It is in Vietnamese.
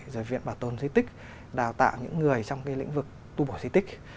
rồi viện bảo tồn di tích đào tạo những người trong cái lĩnh vực tu bổ di tích